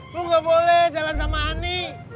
lu nggak boleh jalan sama ani